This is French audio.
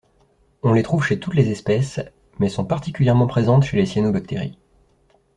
On les trouve chez toutes les espèces, mais sont particulièrement présentes chez les cyanobactéries.